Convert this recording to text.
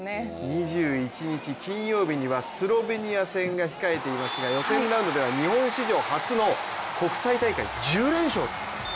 ２１日金曜日にはスロベニア戦が控えていますが予選ラウンドでは日本史上初の国際大会１０連勝と。